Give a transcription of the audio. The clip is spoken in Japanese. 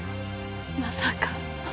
まさか？